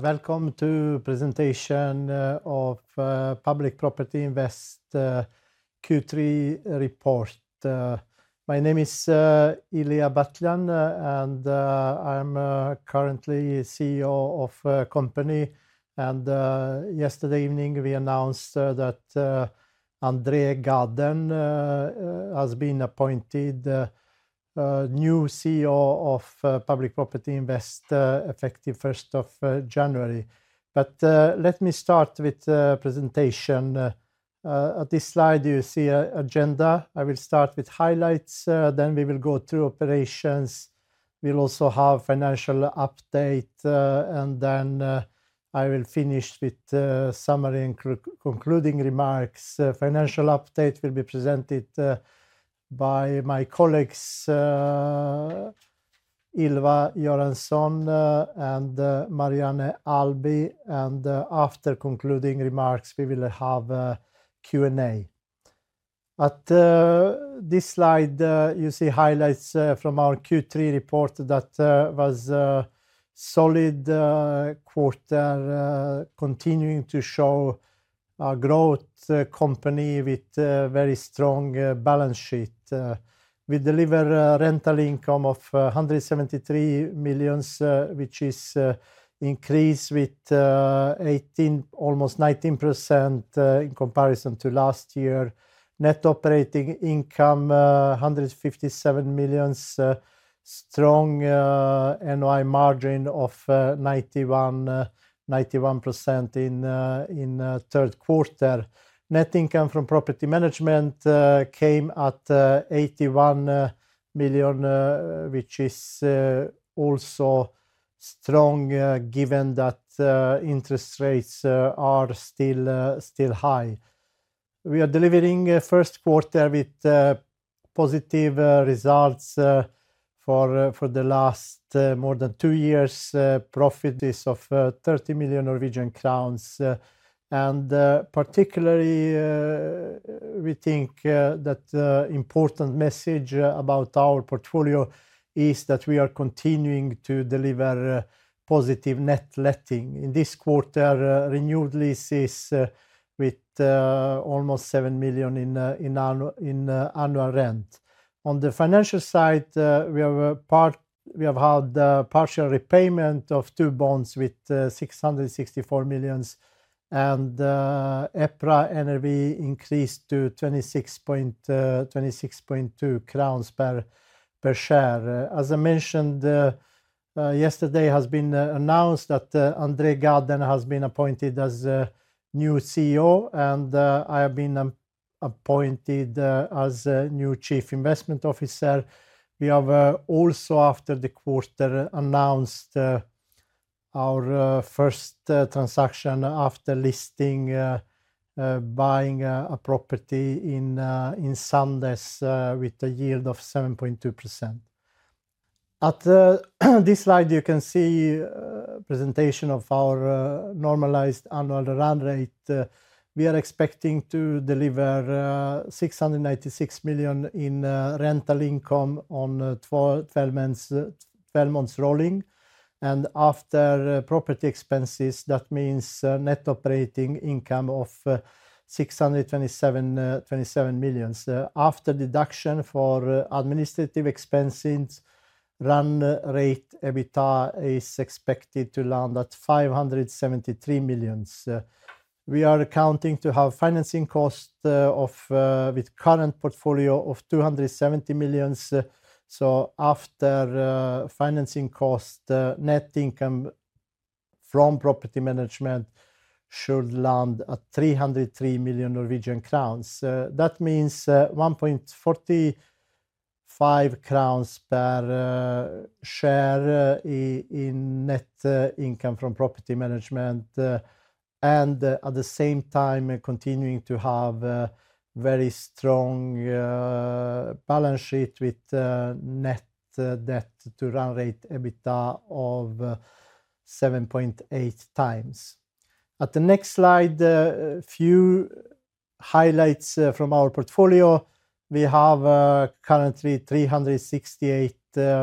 Welcome to the presentation of Public Property Invest Q3 report. My name is Ilija Batljan, and I'm currently the CEO of the company. Yesterday evening, we announced that André Gaden, who has been appointed new CEO of Public Property Invest, effective 1st of January, but let me start with the presentation. At this slide, you see the agenda. I will start with highlights, then we will go through operations. We'll also have a financial update, and then I will finish with summary and concluding remarks. The financial update will be presented by my colleagues, Ylva Göransson and Marianne Aalby, and after concluding remarks, we will have a Q&A. At this slide, you see highlights from our Q3 report that was a solid quarter, continuing to show a growth company with a very strong balance sheet. We delivered a rental income of 173 million, which is an increase of almost 19% in comparison to last year. Net operating income was 157 million, a strong NOI margin of 91% in the third quarter. Net income from property management came at 81 million, which is also strong given that interest rates are still high. We are delivering the first quarter with positive results for the last more than two years, a profit of 30 million Norwegian crowns. Particularly, we think that the important message about our portfolio is that we are continuing to deliver positive net letting in this quarter, renewed leases with almost 7 million in annual rent. On the financial side, we have had partial repayment of two bonds with 664 million, and EPRA NRV increased to 26.262 crowns per share. As I mentioned yesterday, it has been announced that André Gaden has been appointed as the new CEO, and I have been appointed as the new Chief Investment Officer. We have also, after the quarter, announced our first transaction after listing, buying a property in Sandnes with a yield of 7.2%. At this slide, you can see the presentation of our normalized annual run rate. We are expecting to deliver 696 million in rental income on 12 months rolling, and after property expenses, that means net operating income of 627 million. After deduction for administrative expenses, run rate EBITDA is expected to land at 573 million. We are accounting to have financing costs with a current portfolio of 270 million, so after financing costs, net income from property management should land at 303 million Norwegian crowns. That means 1.45 crowns per share in net income from property management. At the same time, continuing to have a very strong balance sheet with net debt to run rate EBITDA of 7.8 times. At the next slide, a few highlights from our portfolio. We have currently 368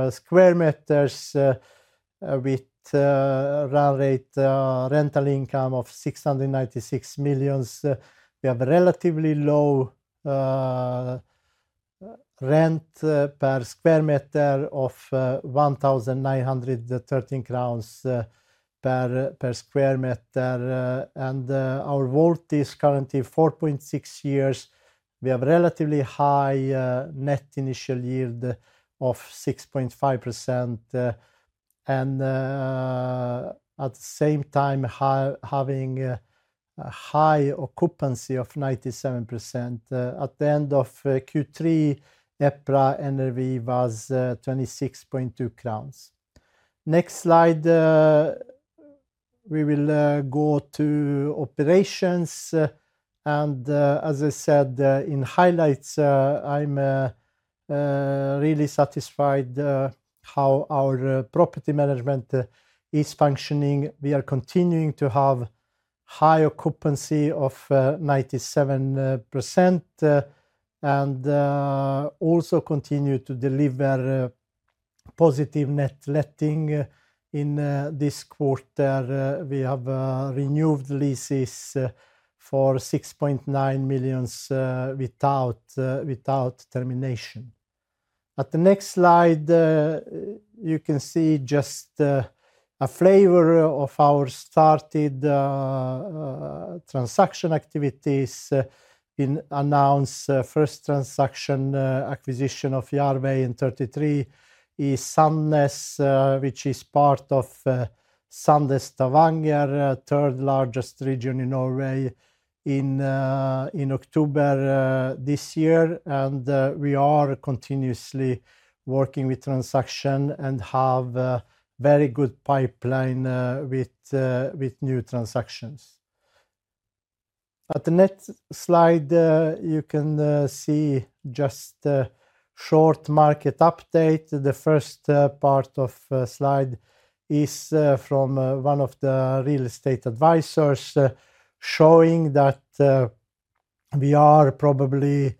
sq m with a run rate rental income of 696 million. We have a relatively low rent per sq m of NOK 1,913 per sq m. Our WAULT is currently 4.6 years. We have a relatively high net initial yield of 6.5%. At the same time, having a high occupancy of 97%. At the end of Q3, EPRA NRV was 26.2 crowns. Next slide, we will go to operations. As I said in highlights, I'm really satisfied with how our property management is functioning. We are continuing to have a high occupancy of 97% and also continue to deliver positive net letting in this quarter. We have renewed leases for 6.9 million without termination. At the next slide, you can see just a flavor of our started transaction activities. We announced the first transaction acquisition of Jærveien 33 in Sandnes, which is part of Sandnes-Stavanger, the third largest region in Norway, in October this year. We are continuously working with transactions and have a very good pipeline with new transactions. At the next slide, you can see just a short market update. The first part of the slide is from one of the real estate advisors showing that we are probably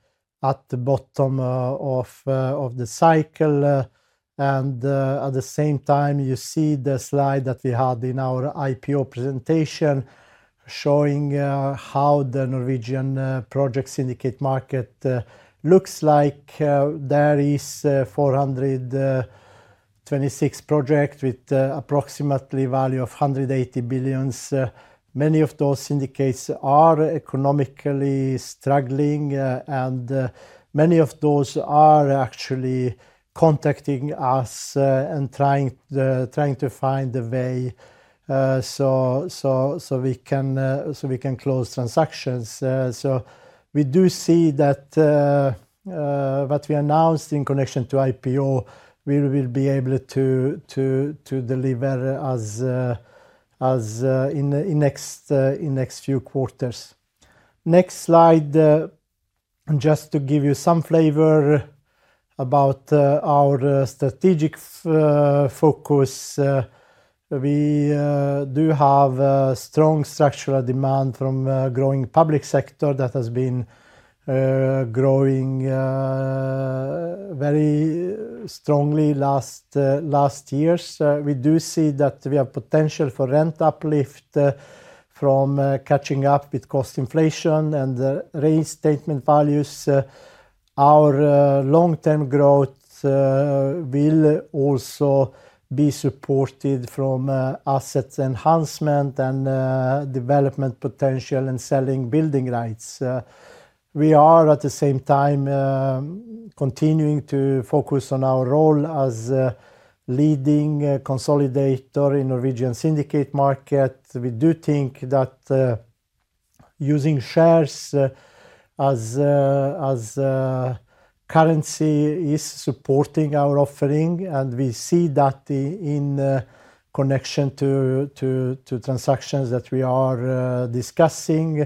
at the bottom of the cycle. At the same time, you see the slide that we had in our IPO presentation showing how the Norwegian project syndicate market looks like. There are 426 projects with an approximate value of 180 billion. Many of those syndicates are economically struggling, and many of those are actually contacting us and trying to find a way so we can close transactions. So we do see that what we announced in connection to IPO, we will be able to deliver in the next few quarters. Next slide, just to give you some flavor about our strategic focus. We do have strong structural demand from the growing public sector that has been growing very strongly in the last years. We do see that we have potential for rent uplift from catching up with cost inflation and reinstatement values. Our long-term growth will also be supported from asset enhancement and development potential and selling building rights. We are, at the same time, continuing to focus on our role as a leading consolidator in the Norwegian syndicate market. We do think that using shares as currency is supporting our offering, and we see that in connection to transactions that we are discussing,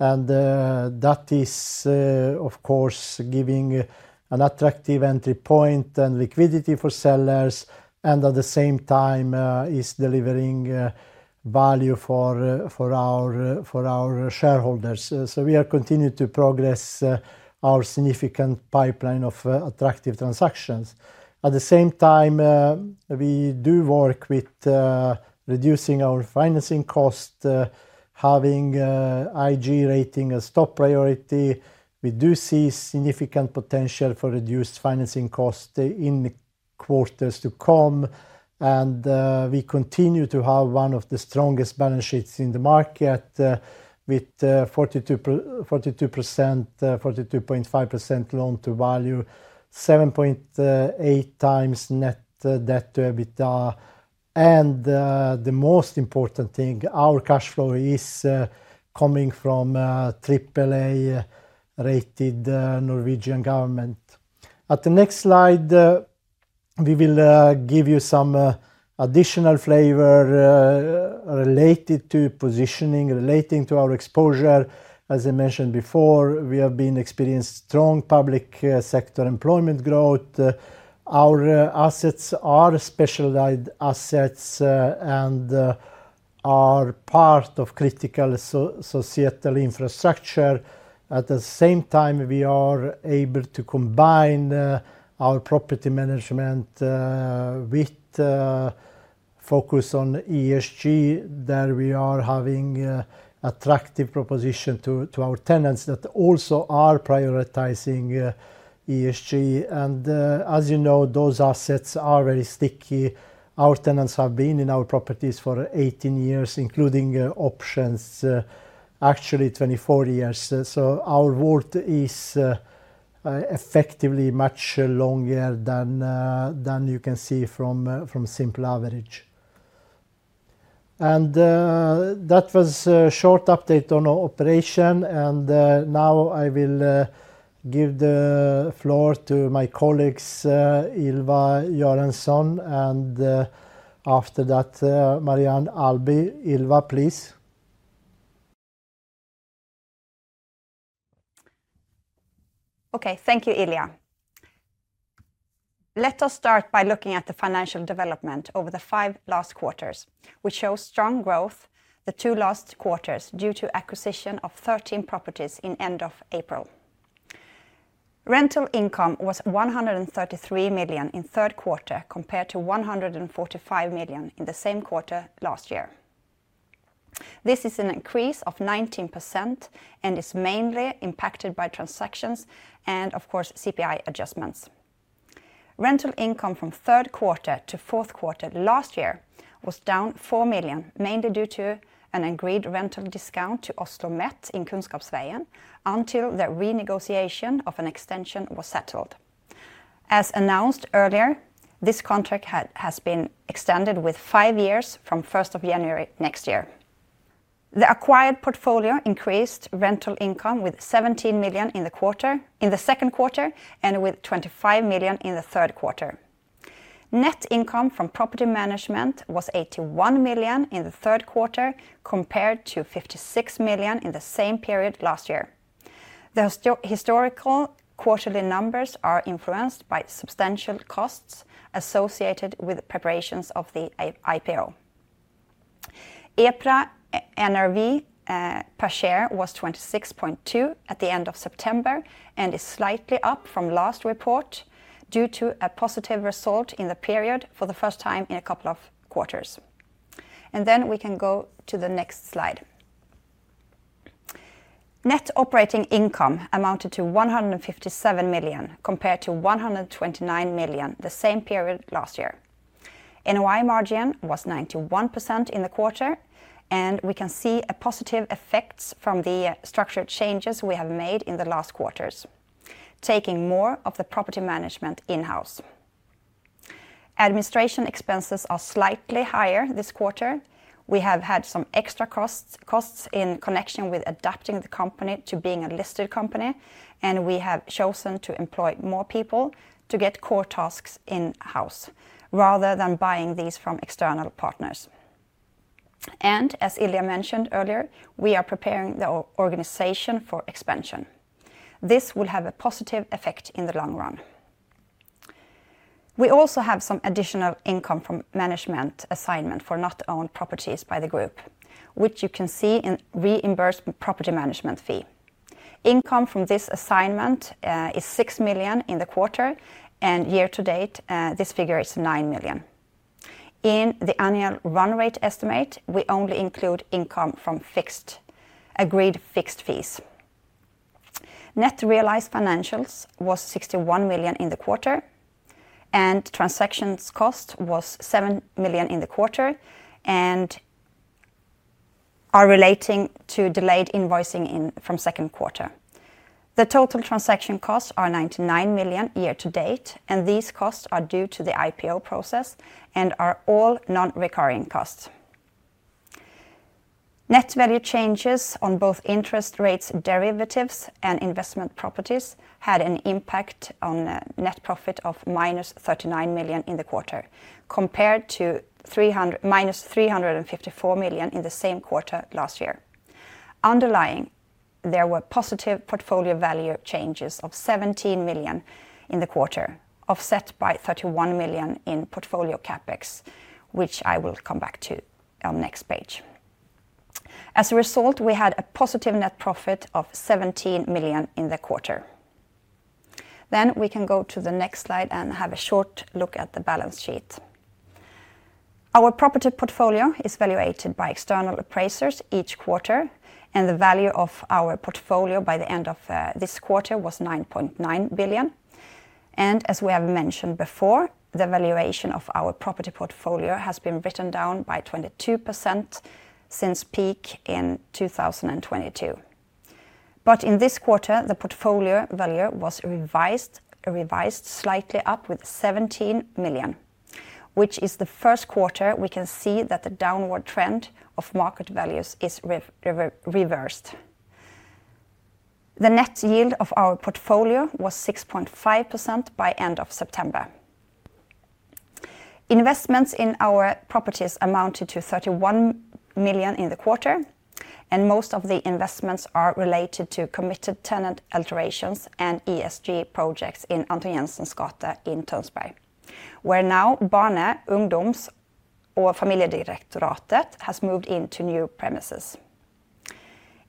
and that is, of course, giving an attractive entry point and liquidity for sellers, and at the same time, it is delivering value for our shareholders, so we are continuing to progress our significant pipeline of attractive transactions. At the same time, we do work with reducing our financing costs, having IG rating as top priority. We do see significant potential for reduced financing costs in the quarters to come, and we continue to have one of the strongest balance sheets in the market with 42.5% loan to value, 7.8 times net debt to EBITDA, and the most important thing, our cash flow is coming from AAA-rated Norwegian government. At the next slide, we will give you some additional flavor related to positioning, relating to our exposure. As I mentioned before, we have been experiencing strong public sector employment growth. Our assets are specialized assets and are part of critical societal infrastructure. At the same time, we are able to combine our property management with a focus on ESG, that we are having an attractive proposition to our tenants that also are prioritizing ESG. And as you know, those assets are very sticky. Our tenants have been in our properties for 18 years, including options, actually 24 years. So our WAULT is effectively much longer than you can see from simple average. And that was a short update on operation. And now I will give the floor to my colleagues, Ylva Göransson, and after that, Marianne Aalby. Ylva, please. Okay, thank you, Ilija. Let us start by looking at the financial development over the five last quarters, which shows strong growth the two last quarters due to acquisition of 13 properties in the end of April. Rental income was 133 million in the third quarter compared to 145 million in the same quarter last year. This is an increase of 19% and is mainly impacted by transactions and, of course, CPI adjustments. Rental income from the third quarter to the fourth quarter last year was down 4 million, mainly due to an agreed rental discount to OsloMet in Kunnskapsveien until the renegotiation of an extension was settled. As announced earlier, this contract has been extended with five years from the first of January next year. The acquired portfolio increased rental income with 17 million in the second quarter and with 25 million in the third quarter. Net income from property management was 81 million in the third quarter compared to 56 million in the same period last year. The historical quarterly numbers are influenced by substantial costs associated with preparations of the IPO. EPRA NRV per share was 26.2 at the end of September and is slightly up from last report due to a positive result in the period for the first time in a couple of quarters, and then we can go to the next slide. Net operating income amounted to 157 million compared to 129 million the same period last year. NOI margin was 91% in the quarter, and we can see positive effects from the structured changes we have made in the last quarters, taking more of the property management in-house. Administration expenses are slightly higher this quarter. We have had some extra costs in connection with adapting the company to being a listed company, and we have chosen to employ more people to get core tasks in-house rather than buying these from external partners, and as Ilija mentioned earlier, we are preparing the organization for expansion. This will have a positive effect in the long run. We also have some additional income from management assignment for not-owned properties by the group, which you can see in reimbursement property management fee. Income from this assignment is 6 million NOK in the quarter, and year to date, this figure is 9 million NOK. In the annual run rate estimate, we only include income from agreed fixed fees. Net realized financials was 61 million NOK in the quarter, and transactions cost was 7 million NOK in the quarter and are relating to delayed invoicing from the second quarter. The total transaction costs are 99 million year to date, and these costs are due to the IPO process and are all non-recurring costs. Net value changes on both interest rates derivatives and investment properties had an impact on net profit of minus 39 million in the quarter compared to minus 354 million in the same quarter last year. Underlying, there were positive portfolio value changes of 17 million in the quarter, offset by 31 million in portfolio CapEx, which I will come back to on the next page. As a result, we had a positive net profit of 17 million in the quarter. Then we can go to the next slide and have a short look at the balance sheet. Our property portfolio is valuated by external appraisers each quarter, and the value of our portfolio by the end of this quarter was 9.9 billion. As we have mentioned before, the valuation of our property portfolio has been written down by 22% since peak in 2022. In this quarter, the portfolio value was revised slightly up with 17 million, which is the first quarter we can see that the downward trend of market values is reversed. The net yield of our portfolio was 6.5% by the end of September. Investments in our properties amounted to 31 million in the quarter, and most of the investments are related to committed tenant alterations and ESG projects in Anton Jenssens gate in Tønsberg, where now Barne-, ungdoms- og familiedirektoratet has moved into new premises.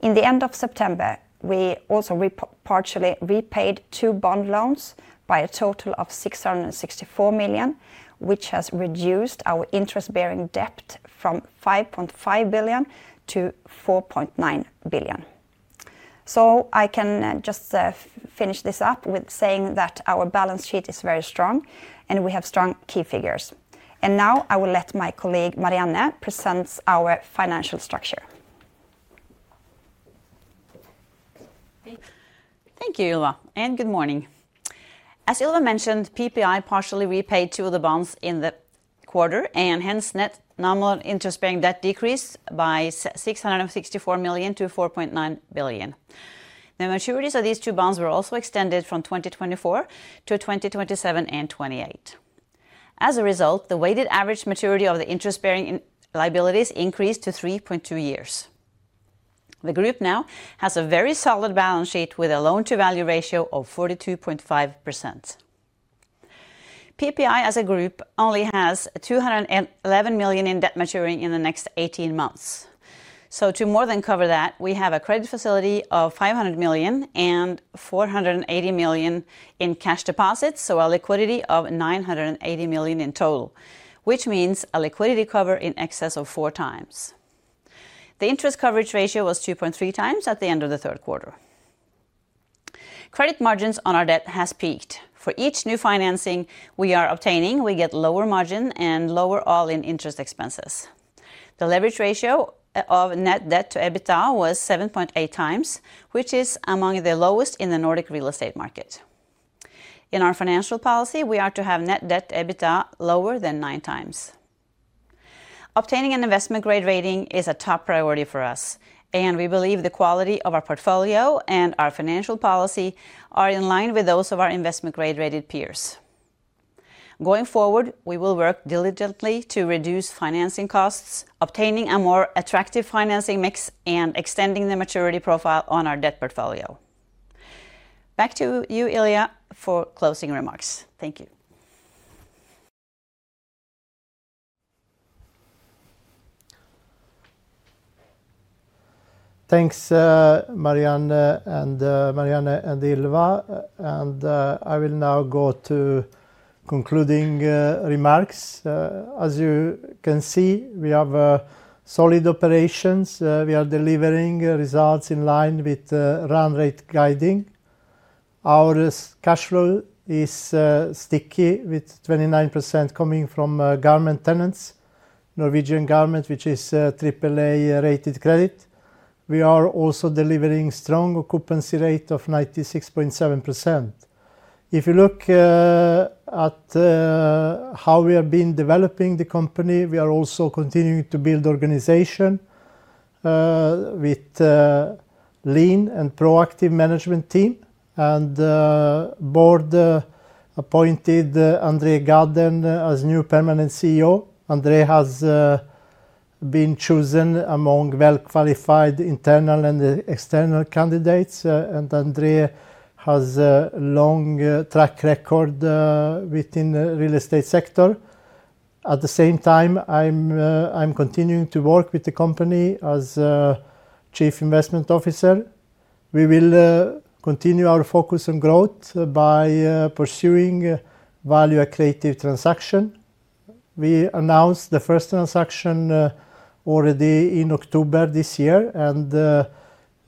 In the end of September, we also partially repaid two bond loans by a total of 664 million, which has reduced our interest-bearing debt from 5.5 billion to 4.9 billion. I can just finish this up with saying that our balance sheet is very strong and we have strong key figures. Now I will let my colleague Marianne present our financial structure. Thank you, Ylva, and good morning. As Ylva mentioned, PPI partially repaid two of the bonds in the quarter, and hence net nominal interest-bearing debt decreased by 664 million to 4.9 billion. The maturities of these two bonds were also extended from 2024 to 2027 and 2028. As a result, the weighted average maturity of the interest-bearing liabilities increased to 3.2 years. The group now has a very solid balance sheet with a loan-to-value ratio of 42.5%. PPI as a group only has 211 million in debt maturing in the next 18 months. So to more than cover that, we have a credit facility of 500 million and 480 million in cash deposits, so a liquidity of 980 million in total, which means a liquidity cover in excess of four times. The interest coverage ratio was 2.3 times at the end of the third quarter. Credit margins on our debt have peaked. For each new financing we are obtaining, we get lower margin and lower all-in interest expenses. The leverage ratio of net debt to EBITDA was 7.8 times, which is among the lowest in the Nordic real estate market. In our financial policy, we are to have net debt to EBITDA lower than nine times. Obtaining an investment-grade rating is a top priority for us, and we believe the quality of our portfolio and our financial policy are in line with those of our investment-grade rated peers. Going forward, we will work diligently to reduce financing costs, obtaining a more attractive financing mix, and extending the maturity profile on our debt portfolio. Back to you, Ilija, for closing remarks. Thank you. Thanks, Marianne and Ylva. I will now go to concluding remarks. As you can see, we have solid operations. We are delivering results in line with run rate guiding. Our cash flow is sticky, with 29% coming from government tenants, Norwegian government, which is AAA-rated credit. We are also delivering a strong occupancy rate of 96.7%. If you look at how we have been developing the company, we are also continuing to build the organization with a lean and proactive management team. The board appointed André Gaden as new permanent CEO. André has been chosen among well-qualified internal and external candidates. André has a long track record within the real estate sector. At the same time, I'm continuing to work with the company as Chief Investment Officer. We will continue our focus on growth by pursuing value-accretive transactions. We announced the first transaction already in October this year, and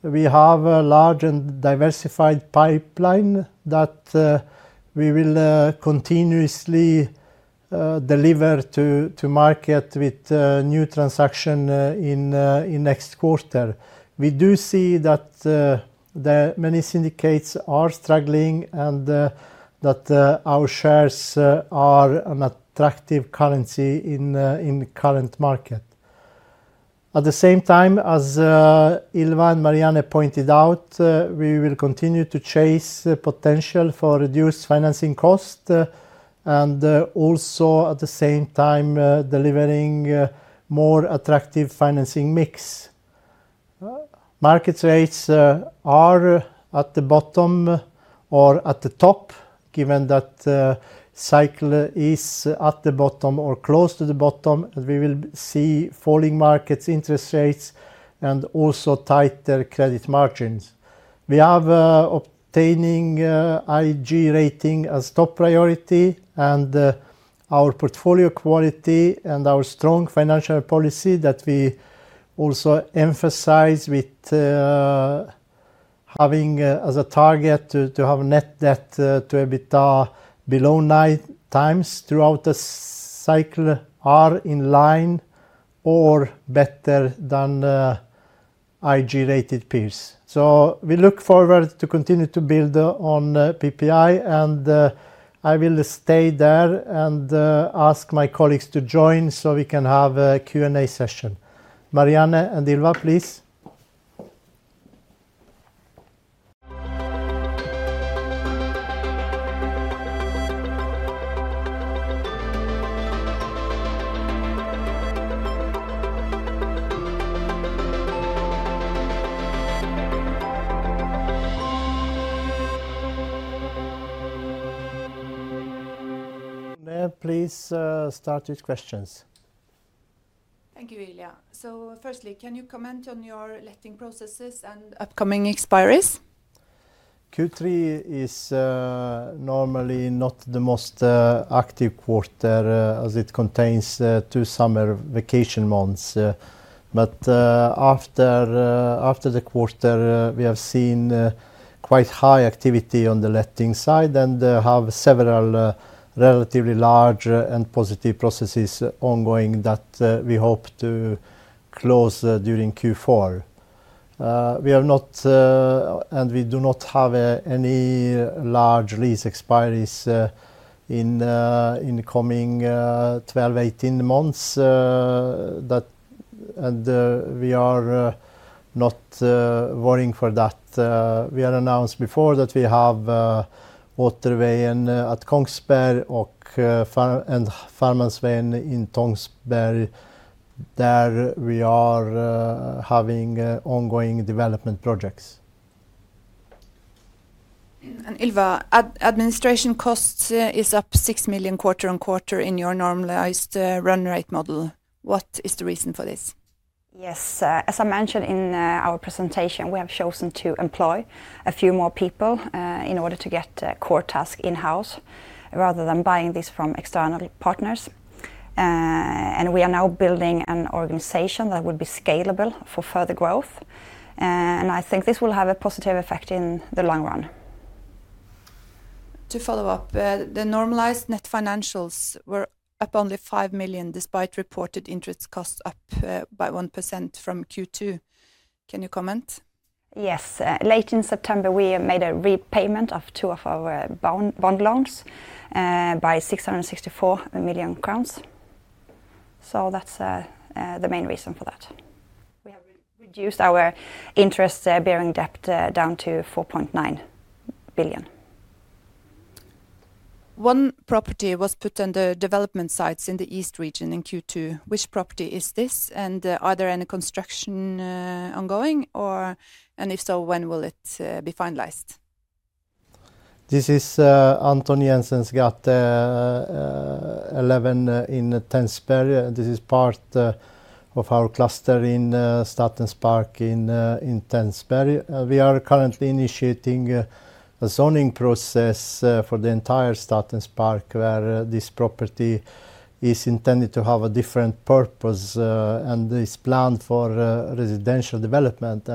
we have a large and diversified pipeline that we will continuously deliver to market with new transactions in the next quarter. We do see that many syndicates are struggling and that our shares are an attractive currency in the current market. At the same time, as Ylva and Marianne pointed out, we will continue to chase the potential for reduced financing costs and also, at the same time, delivering a more attractive financing mix. Market rates are at the bottom or at the top, given that the cycle is at the bottom or close to the bottom, and we will see falling markets, interest rates, and also tighter credit margins. We have obtaining IG rating as top priority, and our portfolio quality and our strong financial policy that we also emphasize with having as a target to have net debt to EBITDA below nine times throughout the cycle are in line or better than IG-rated peers. So we look forward to continuing to build on PPI, and I will stay there and ask my colleagues to join so we can have a Q&A session. Marianne and Ylva, please. Now, please start with questions. Thank you, Ilija. So firstly, can you comment on your letting processes and upcoming expires? Q3 is normally not the most active quarter as it contains two summer vacation months. But after the quarter, we have seen quite high activity on the letting side and have several relatively large and positive processes ongoing that we hope to close during Q4. We do not have any large lease expires in the coming 12-18 months, and we are not worrying for that. We had announced before that we have Oterveien at Kongsberg and Farmannsveien in Tønsberg, where we are having ongoing development projects. Ylva, administration costs is up 6 million quarter on quarter in your normalized run rate model. What is the reason for this? Yes. As I mentioned in our presentation, we have chosen to employ a few more people in order to get core tasks in-house rather than buying these from external partners, and we are now building an organization that will be scalable for further growth, and I think this will have a positive effect in the long run. To follow up, the normalized net financials were up only 5 million despite reported interest costs up by 1% from Q2. Can you comment? Yes. Late in September, we made a repayment of two of our bond loans by 664 million crowns. So that's the main reason for that. We have reduced our interest-bearing debt down to NOK 4.9 billion. One property was put on the development sites in the east region in Q2. Which property is this? And are there any construction ongoing? And if so, when will it be finalized? This is Anton Jenssons gate 11 in Tønsberg. This is part of our cluster in Statens Park in Tønsberg. We are currently initiating a zoning process for the entire Statens Park, where this property is intended to have a different purpose and is planned for residential development,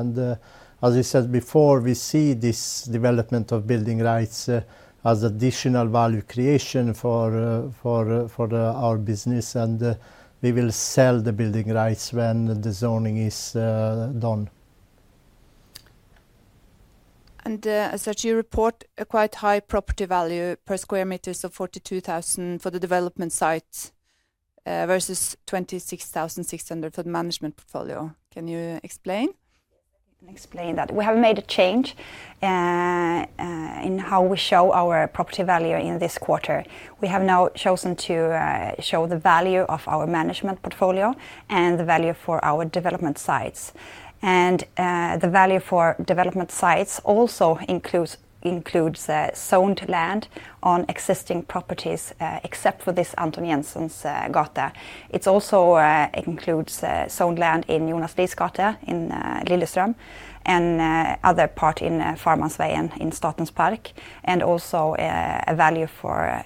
and as I said before, we see this development of building rights as additional value creation for our business, and we will sell the building rights when the zoning is done. As you report, a quite high property value per square meter is of NOK 42,000 for the development sites versus 26,600 for the management portfolio. Can you explain? We have made a change in how we show our property value in this quarter. We have now chosen to show the value of our management portfolio and the value for our development sites. And the value for development sites also includes zoned land on existing properties, except for this Anton Jenssons gate. It also includes zoned land in Jonas Lies gate in Lillestrøm and other parts in Farmansveien in Statens Park, and also a value for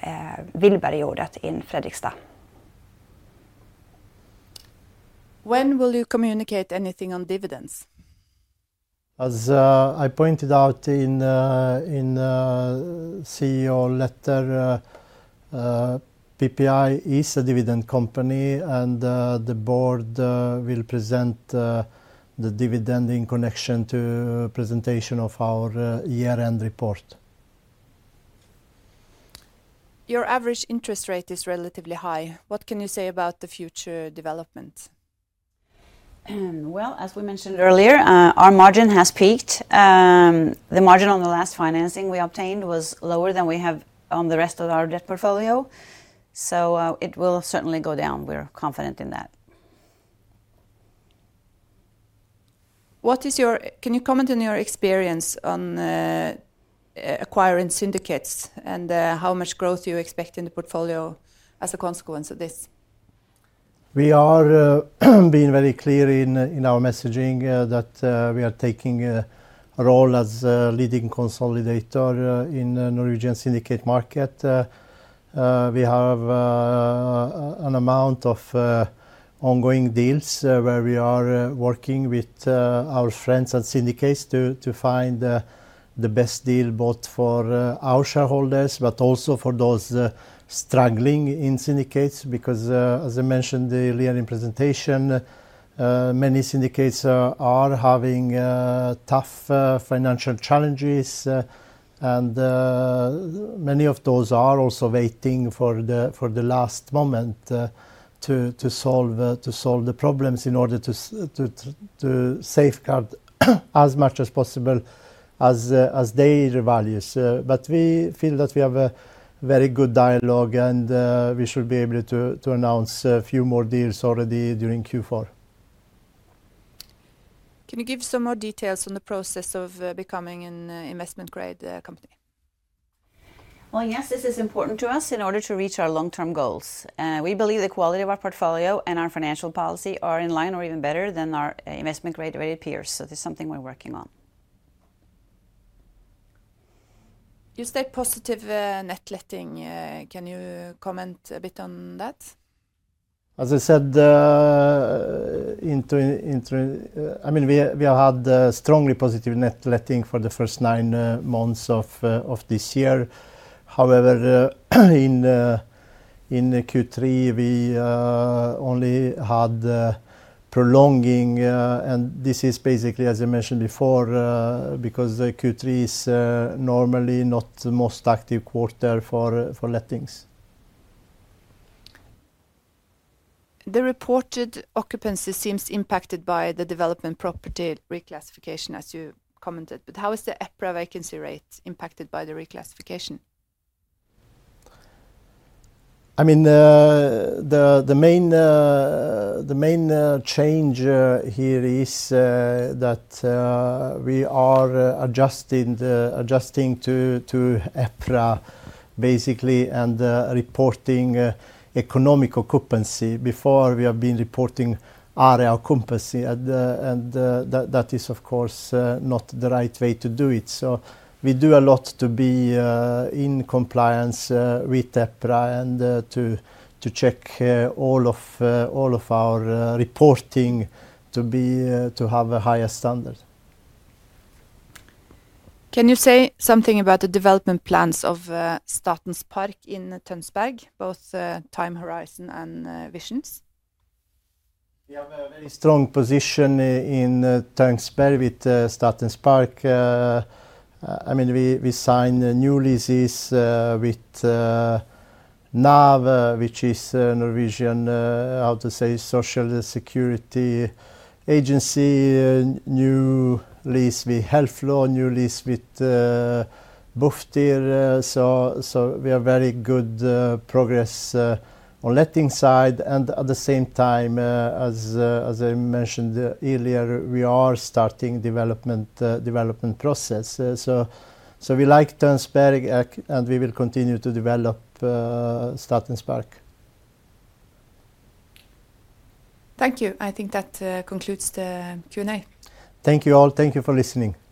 Wilbergjordet in Fredrikstad. When will you communicate anything on dividends? As I pointed out in the CEO letter, PPI is a dividend company, and the board will present the dividend in connection to the presentation of our year-end report. Your average interest rate is relatively high. What can you say about the future development? Well, as we mentioned earlier, our margin has peaked. The margin on the last financing we obtained was lower than we have on the rest of our debt portfolio. So it will certainly go down. We're confident in that. Can you comment on your experience on acquiring syndicates and how much growth you expect in the portfolio as a consequence of this? We are being very clear in our messaging that we are taking a role as a leading consolidator in the Norwegian syndicate market. We have an amount of ongoing deals where we are working with our friends at syndicates to find the best deal both for our shareholders but also for those struggling in syndicates. Because, as I mentioned earlier in the presentation, many syndicates are having tough financial challenges, and many of those are also waiting for the last moment to solve the problems in order to safeguard as much as possible their values. But we feel that we have a very good dialogue, and we should be able to announce a few more deals already during Q4. Can you give some more details on the process of becoming an investment-grade company? Yes, this is important to us in order to reach our long-term goals. We believe the quality of our portfolio and our financial policy are in line or even better than our investment-grade rated peers. This is something we're working on. You said positive net letting. Can you comment a bit on that? As I said, I mean, we have had strongly positive net letting for the first nine months of this year. However, in Q3, we only had prolonging, and this is basically, as I mentioned before, because Q3 is normally not the most active quarter for lettings. The reported occupancy seems impacted by the development property reclassification, as you commented. But how is the EPRA vacancy rate impacted by the reclassification? I mean, the main change here is that we are adjusting to EPRA, basically, and reporting economic occupancy. Before, we have been reporting area occupancy, and that is, of course, not the right way to do it. So we do a lot to be in compliance with EPRA and to check all of our reporting to have a higher standard. Can you say something about the development plans of Statens Park in Tønsberg, both time horizon and visions? We have a very strong position in Tønsberg with Statens Park. I mean, we signed new leases with NAV, which is a Norwegian, how to say, social security agency, new lease with Helfo, new lease with Bufdir, so we have very good progress on the letting side, and at the same time, as I mentioned earlier, we are starting the development process, so we like Tønsberg, and we will continue to develop Statens Park. Thank you. I think that concludes the Q&A. Thank you all. Thank you for listening. Thank you.